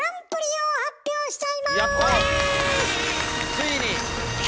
ついに！